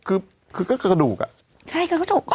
อเรนนี่